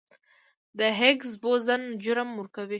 د هیګز بوزون جرم ورکوي.